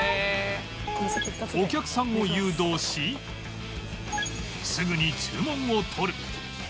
お客さんを誘導しすぐに注文を取る